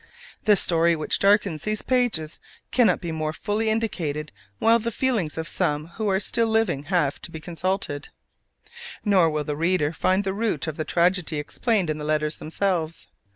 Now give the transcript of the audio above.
The story which darkens these pages cannot be more fully indicated while the feelings of some who are still living have to be consulted; nor will the reader find the root of the tragedy explained in the letters themselves.